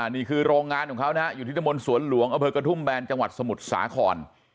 นี่คือโรงงานของเขานะอยู่ทิศมนต์สวนหลวงอเผิกกระทุ่มแบรนด์จังหวัดสมุทรสาขร